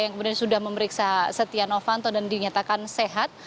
yang kemudian sudah memeriksa setia novanto dan dinyatakan sehat